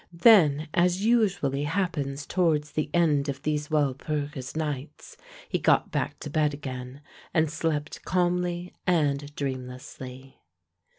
Then as usually happens towards the end of these Walpurgis nights, he got back to bed again, and slept calmly and dreamlessly.